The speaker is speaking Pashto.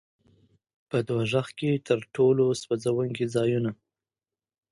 په دوزخ کې تر ټولو سوځوونکي ځایونه.